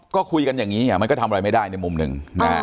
ก็คุยกันอย่างนี้มันก็ทำอะไรไม่ได้ในมุมหนึ่ง